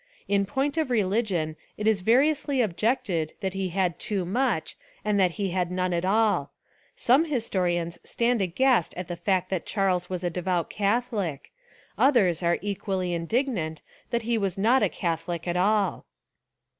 In point of reli gion it is variously objected that he had too much and that he had none at all; some his torians stand aghast at the fact that Charles was a devout Catholic, others are equally in dignant that he was not a Catholic at all.